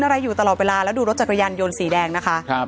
อะไรอยู่ตลอดเวลาแล้วดูรถจักรยานยนต์สีแดงนะคะครับ